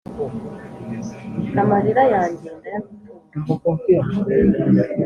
amarira yanjye ndayagutura